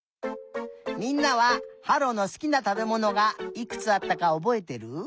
みんなははろのすきなたべものがいくつあったかおぼえてる？